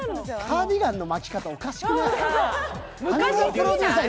カーディガンの巻き方、おかしくない？